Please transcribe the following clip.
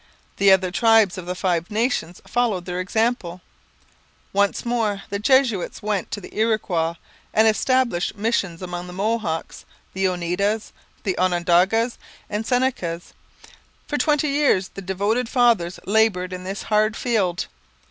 The other tribes of the Five Nations followed their example. Once more the Jesuits went to the Iroquois and established missions among the Mohawks, the Oneidas, the Onondagas, and Senecas. For twenty years the devoted fathers laboured in this hard field.